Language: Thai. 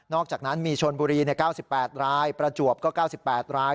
อกจากนั้นมีชนบุรี๙๘รายประจวบก็๙๘ราย